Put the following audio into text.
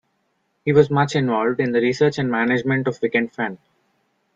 He was much involved in the research and management of Wicken Fen.